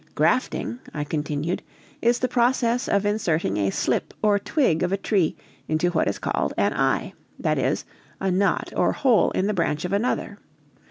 "Grafting," I continued, "is the process of inserting a slip or twig of a tree into what is called an eye; that is, a knot or hole in the branch of another.